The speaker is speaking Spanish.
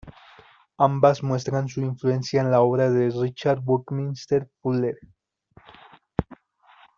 Ambas muestran su influencia en la obra de Richard Buckminster Fuller.